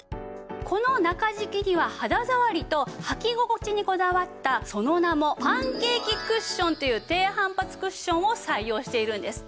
この中敷きには肌触りと履き心地にこだわったその名もパンケーキクッションという低反発クッションを採用しているんです。